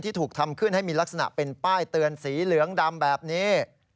ถูกทำขึ้นให้มีลักษณะเป็นป้ายเตือนสีเหลืองดำแบบนี้